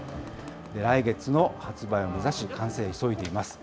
来月の発売を目指し、完成を急いでいます。